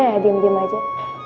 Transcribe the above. ya diem diem aja